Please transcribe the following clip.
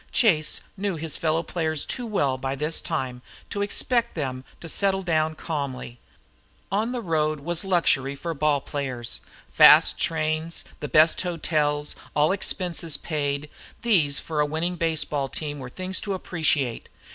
Chase knew his fellow players too well by this time to expect them to settle down calmly. "On the road" was luxury for ball players. Fast trains, the best hotels, all expenses paid, these for a winning baseball team were things to appreciate.